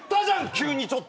急にちょっと。